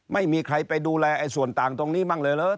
ไม่มีใครไปดูแลส่วนต่างตรงนี้บ้างเลยเหรอ